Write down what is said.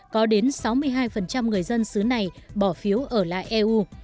các nước xứ này bỏ phiếu ở lại eu